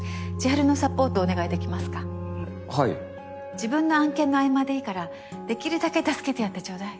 自分の案件の合間でいいからできるだけ助けてやってちょうだい。